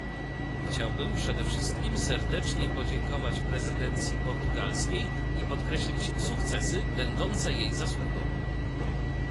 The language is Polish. Chciałbym przede wszystkim serdecznie podziękować prezydencji portugalskiej i podkreślić sukcesy będące jej zasługą